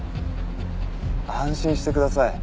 安心してください。